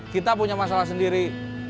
kita punya masalah sendiri